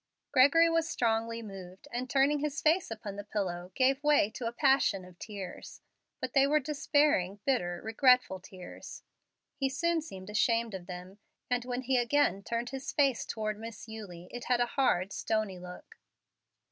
Gregory was strongly moved, and turning his face upon the pillow, gave way to a passion of tears; but they were despairing, bitter, regretful tears. He soon seemed ashamed of them, and when he again turned his face toward Miss Eulie, it had a hard, stony look.